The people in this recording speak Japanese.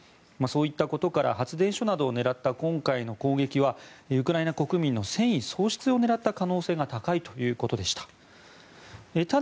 そういったことから発電所などを狙った今回の攻撃はウクライナ国民の戦意喪失を狙った可能性が高いということでした。